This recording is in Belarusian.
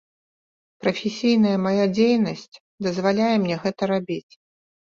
Прафесійная мая дзейнасць дазваляе мне гэта рабіць.